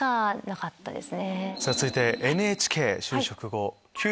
続いて。